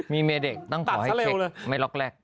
มีเมียเด็กต้องขอให้เช็คไม่ล็อกแรก